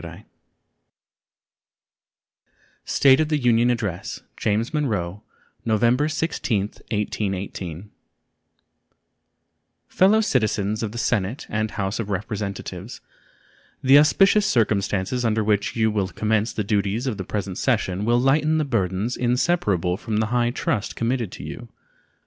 State of the Union Address James Monroe November 16, 1818 Fellow Citizens of the Senate and House of Representatives: The auspicious circumstances under which you will commence the duties of the present session will lighten the burdens inseparable from the high trust committed to you.